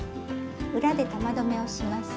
裏で玉留めをします。